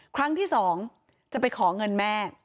ครั้งที่๒จะไปขอเงินแม่